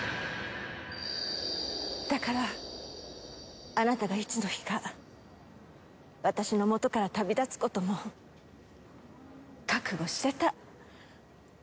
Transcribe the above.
だからあなたがいつの日か私のもとから旅立つことも覚悟してた。